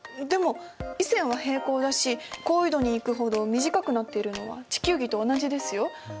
でも緯線は平行だし高緯度に行くほど短くなっているのは地球儀と同じですよ。